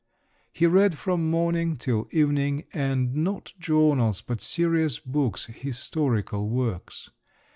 He read from morning till evening, and not journals, but serious books—historical works.